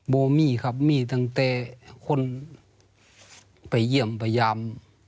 โบมี่ครับมีตั้งแต่คนไปเยี่ยมพยายาม